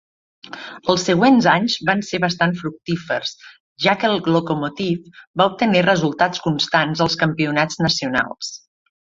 Els següents anys van ser bastant fructífers ja que el Lokomotiv va obtenir resultats constants als campionats nacionals.